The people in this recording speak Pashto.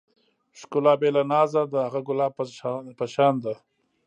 ښکلا بې له نازه د هغه ګلاب په شان ده.